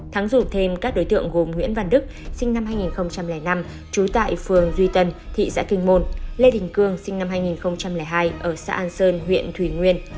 thắng rủ thêm các đối tượng gồm nguyễn văn đức sinh năm hai nghìn năm trú tại phường duy tân thị xã kinh môn lê đình cương sinh năm hai nghìn hai ở xã an sơn huyện thủy nguyên